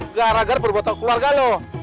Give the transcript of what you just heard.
gara gara berpotong keluarga loh